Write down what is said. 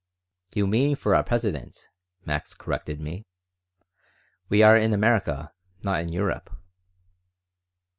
"You mean for a president," Max corrected me. "We are in America, not in Europe."